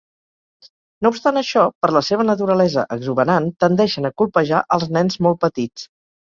No obstant això, per la seva naturalesa exuberant, tendeixen a colpejar als nens molt petits.